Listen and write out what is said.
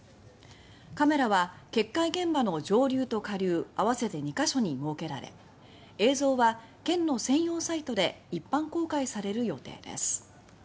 カメラは決壊現場の上流と下流合わせて２か所に設けられ映像は、県の専用サイトで一般公開される予定です。